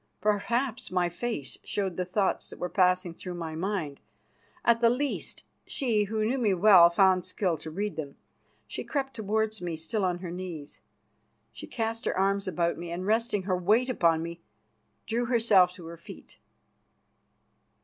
Perhaps my face showed the thoughts that were passing through my mind. At the least, she who knew me well found skill to read them. She crept towards me, still on her knees; she cast her arms about me, and, resting her weight upon me, drew herself to her feet.